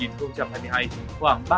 năm hai nghìn hai mươi hai khoảng